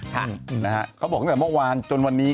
นะฮะเขาบอกตั้งแต่เมื่อวานจนวันนี้